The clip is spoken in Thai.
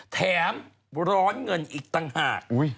แถมร้อนเงินอีกต่างหาก